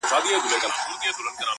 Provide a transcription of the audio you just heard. چا له نظره کړې د ښکلیو د مستۍ سندري٫